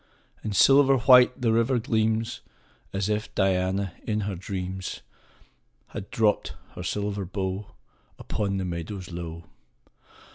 5 And silver white the river gleams, As if Diana, in her dreams, • Had dropt her silver bow Upon the meadows low.